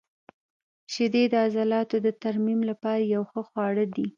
• شیدې د عضلاتو د ترمیم لپاره یو ښه خواړه دي.